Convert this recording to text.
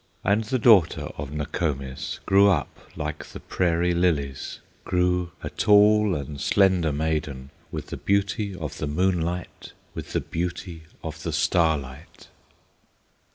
And the daughter of Nokomis Grew up like the prairie lilies, Grew a tall and slender maiden, With the beauty of the moonlight, With the beauty of the starlight.